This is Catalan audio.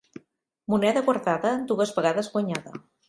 Moneda guardada, dues vegades guanyada.